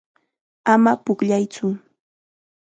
Ama pukllaytsu.